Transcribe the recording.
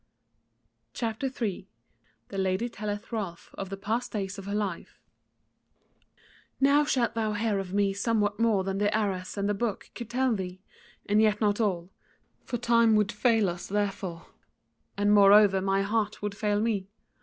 CHAPTER 3 The Lady Telleth Ralph of the Past Days of Her Life "Now shalt thou hear of me somewhat more than the arras and the book could tell thee; and yet not all, for time would fail us therefor and moreover my heart would fail me.